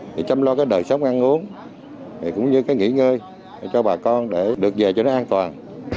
thì chăm lo cái đời sống ăn uống thì cũng như cái nghỉ ngơi cho bà con để được về cho nó an toàn